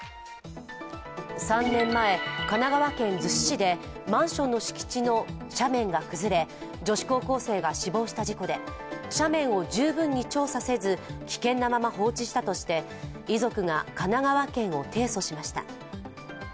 ３年前、神奈川県逗子市でマンションの敷地の斜面が崩れ女子高校生が死亡した事故で斜面を十分に調査せず、危険なまま放置したとして遺族が神奈川県を提訴しました。